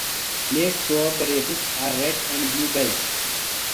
Placed throughout the races are red and blue bells.